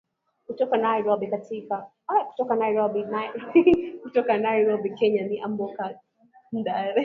kutoka nairobi kenya ni amboka andere